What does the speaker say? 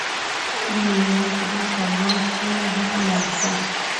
د نیویارک بل پرواز کې به لاړشې.